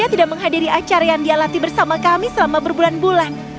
dia tidak menghadiri acara yang dia latih bersama kami selama berbulan bulan